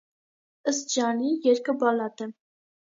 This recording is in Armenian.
Ըստ ժանրի՝ երգը բալլադ է։